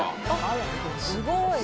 すごい！